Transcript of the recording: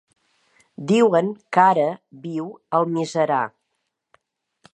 Diuen que ara viu a Almiserà.